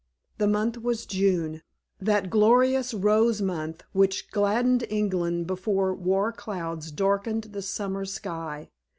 The month was June, that glorious rose month which gladdened England before war clouds darkened the summer sky.